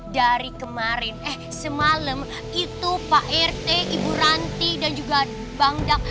dari kemarin eh semalam itu pak rt ibu ranti dan juga bang dak